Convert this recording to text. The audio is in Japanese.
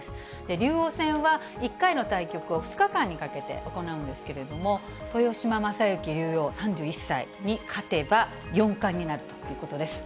竜王戦は、１回の対局を２日間にかけて行うんですけれども、豊島将之竜王３１歳に勝てば、四冠になるということです。